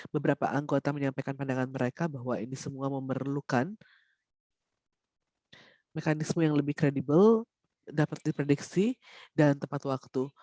beberapa anggota menyampaikan pandangan mereka bahwa ini semua memerlukan mekanisme yang lebih kredibel dapat diprediksi dan tepat waktu